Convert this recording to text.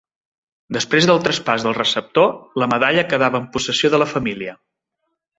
Després del traspàs del receptor, la medalla quedava en possessió de la família.